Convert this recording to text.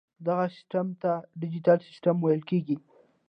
دغه سیسټم ته ډیجیټل سیسټم ویل کیږي.